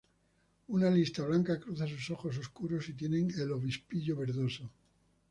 Una lista blanca cruza sus ojos oscuros y tienen el obispillo verdoso.